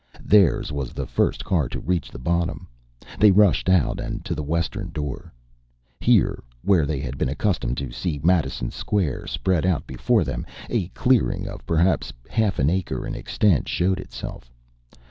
Theirs was the first car to reach the bottom. They rushed out and to the western door. Here, where they had been accustomed to see Madison Square spread out before them, a clearing of perhaps half an acre in extent showed itself.